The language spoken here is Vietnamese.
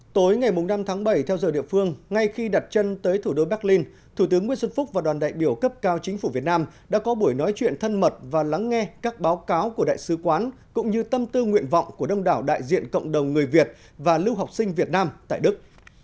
tối ngày năm tháng bảy theo giờ địa phương ngay khi đặt chân tới thủ đô berlin thủ tướng nguyễn xuân phúc và đoàn đại biểu cấp cao chính phủ việt nam đã có buổi nói chuyện thân mật và lắng nghe các báo cáo của đại sứ quán cũng như tâm tư nguyện vọng của đông đảo đại diện cộng đồng người việt và lưu học sinh việt nam tại đức